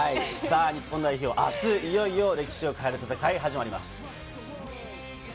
日本代表、あす、いよいよ歴史を変える戦いが始まります。